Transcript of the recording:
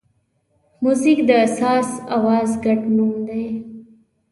موزیک د ساز او آواز ګډ نوم دی.